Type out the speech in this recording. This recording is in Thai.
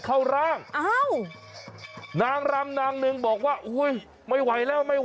หลายคนมาย่างกันเข้าร้าง